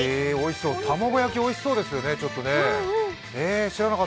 卵焼きおいしそうですよね。